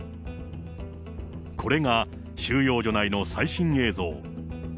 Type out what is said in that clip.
これが収容所内の最新映像。